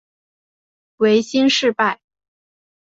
维新事败。